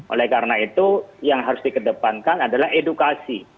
oleh karena itu yang harus di kedepankan adalah edukasi